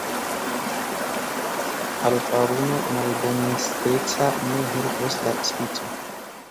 Al faruno malbonspeca ne helpos la spico.